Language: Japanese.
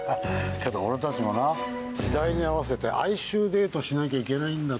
けど俺たちもな時代に合わせて『哀愁でいと』しなきゃいけないんだと。